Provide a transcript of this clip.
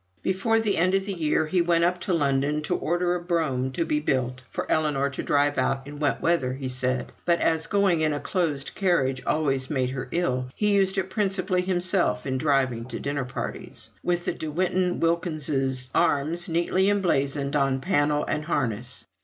Before the end of the year he went up to London to order a brougham to be built (for Ellinor to drive out in wet weather, he said; but as going in a closed carriage always made her ill, he used it principally himself in driving to dinner parties), with the De Winton Wilkinses' arms neatly emblazoned on panel and harness.